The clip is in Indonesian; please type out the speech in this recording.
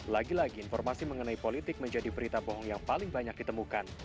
lagi lagi informasi mengenai politik menjadi berita bohong yang paling banyak ditemukan